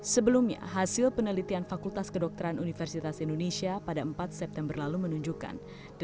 sebelumnya hasil penelitian fakultas kedokteran universitas indonesia pada empat september lalu menunjukkan